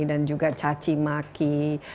dan juga caci maki